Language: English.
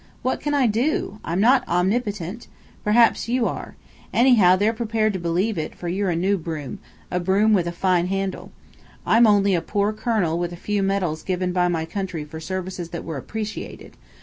What can I do? I'm not omnipotent. Perhaps you are. Anyhow, they're prepared to believe it, for you're a new broom a broom with a fine handle. I'm only a poor colonel with a few medals given by my country for services that were appreciated.